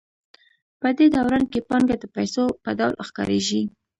په دې دوران کې پانګه د پیسو په ډول ښکارېږي